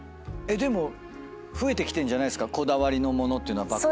でも増えてきてんじゃないですかこだわりの物っていうのは。